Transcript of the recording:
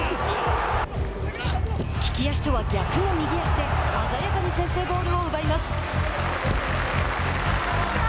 利き足とは逆の右足で鮮やかに先制ゴールを奪います。